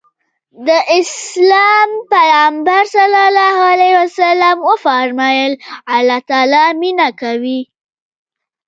د اسلام پيغمبر ص وفرمايل الله تعالی مينه کوي.